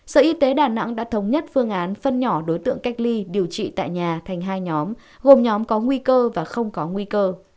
sở y tế đà nẵng đã thống nhất phương án phân nhỏ đối tượng cách ly điều trị tại nhà thành hai nhóm gồm nhóm có nguy cơ và không có nguy cơ